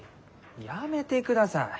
やめてください！